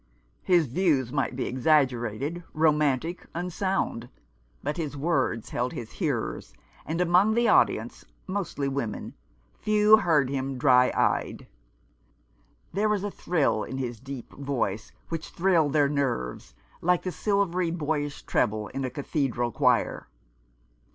His views might be exaggerated, romantic, unsound ; but his words held his hearers, and among the audience, mostly women, few heard him dry eyed. There was a thrill in his deep voice which thrilled their nerves, like the silvery boyish treble in a cathedral choir.